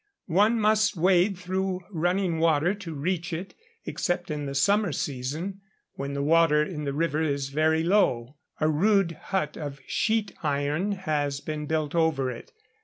One must wade through running water to reach it, except in the summer season, when the water in the river is very low. A rude hut of sheet iron has been built over it.